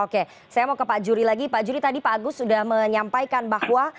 oke saya mau ke pak juri lagi pak juri tadi pak agus sudah menyampaikan bahwa